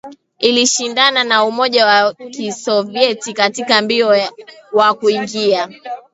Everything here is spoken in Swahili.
ilishindana na Umoja wa Kisovyeti katika mbio wa kuingia